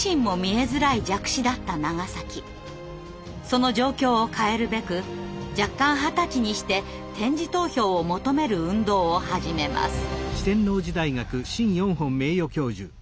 その状況を変えるべく弱冠二十歳にして点字投票を求める運動を始めます。